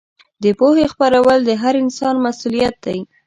د پوهې خپرول د هر انسان مسوولیت دی.